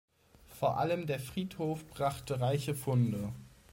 Vor allem der Friedhof brachte reiche Funde.